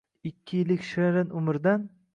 Ikki yillik shirin umrdan —